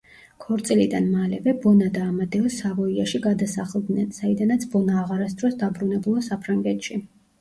ქორწილიდან მალევე, ბონა და ამადეო სავოიაში გადასახლდნენ, საიდანაც ბონა აღარასდროს დაბრუნებულა საფრანგეთში.